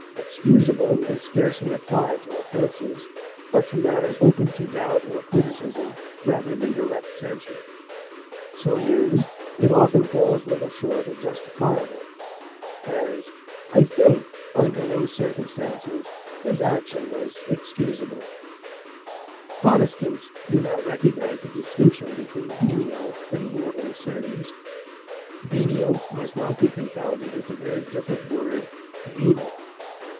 Excusable is scarcely applied to offenses, but to matters open to doubt or criticism rather than direct censure; so used, it often falls little short of justifiable; as, I think, under those circumstances, his action was excusable. Protestants do not recognize the distinction between venial and mortal sins. Venial must not be confounded with the very different word VENAL.